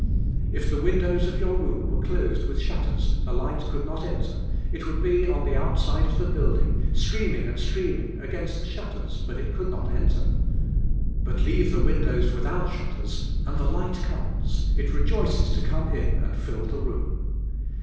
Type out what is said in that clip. If the windows of your room were closed with shut ters, the light could not enter; it would be on the outside of the building, streaming and streaming against the shutters; but it could not enter. But leave the windows without shutters, and the light comes, it rejoices to come in and fill the room.